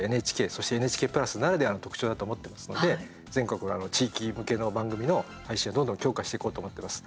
そして、ＮＨＫプラスならではの特徴だと思ってますので全国の地域向けの番組の配信をどんどん強化していこうと思ってます。